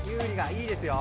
いいですよ。